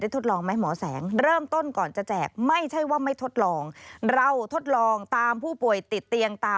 ทำคนตายมาเยอะ